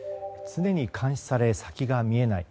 常に監視され、先が見えない。